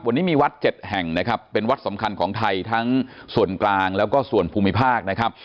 วันนี้มีวัดเจ็ดแห่งนะครับเป็นวัดสำคัญของไทยทั้งส่วนกลางแล้วก็ส่วนภูมิภาคนะครับ